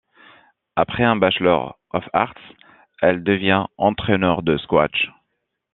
Après un Bachelor of Arts, elle devient entraineur de squash.